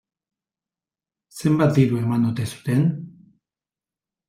Zenbat diru eman ote zuten?